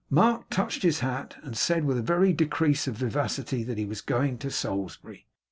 Mark touched his hat, and said, with a very sudden decrease of vivacity, that he was going to Salisbury.